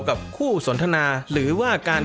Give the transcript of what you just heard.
กับคู่สนทนาหรือว่าการ